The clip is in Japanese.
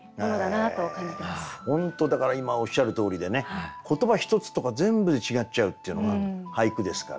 本当だから今おっしゃるとおりでね言葉一つとか全部で違っちゃうっていうのが俳句ですから。